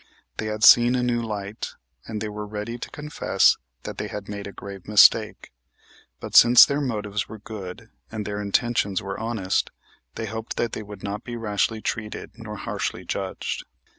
They had seen a new light; and they were ready to confess that they had made a grave mistake, but, since their motives were good and their intentions were honest, they hoped that they would not be rashly treated nor harshly judged.